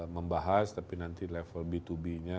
membahas tapi nanti level b dua b nya